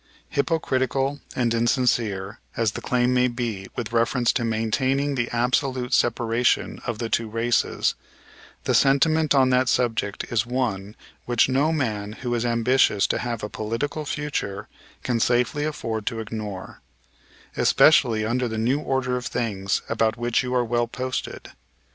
Hypocritical and insincere as the claim may be with reference to maintaining the absolute separation of the two races, the sentiment on that subject is one which no man who is ambitious to have a political future can safely afford to ignore, especially under the new order of things about which you are well posted.